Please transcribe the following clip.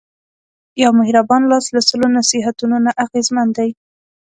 یو مهربان لاس له سلو نصیحتونو نه اغېزمن دی.